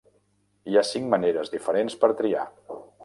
Hi ha cinc maneres diferents per triar.